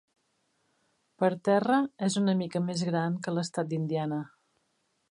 Per terra, és una mica més gran que l'estat d'Indiana.